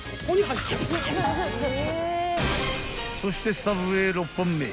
［そしてサブウェイ６本目］